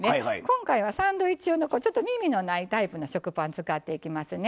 今回はサンドイッチ用のみみのないタイプの食パン使っていきますね。